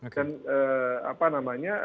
dan apa namanya